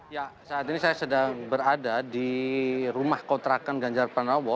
ya saat ini saya sedang berada di rumah kontrakan ganjar pranowo